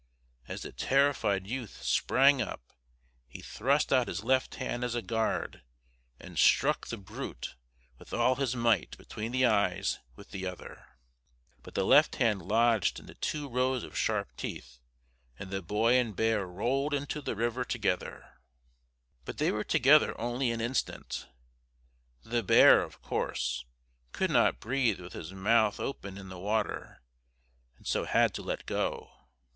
As the terrified youth sprang up, he thrust out his left hand as a guard and struck the brute with all his might between the eyes with the other. But the left hand lodged in the two rows of sharp teeth and the boy and bear rolled into the river together. But they were together only an instant. The bear, of course, could not breathe with his mouth open in the water, and so had to let go.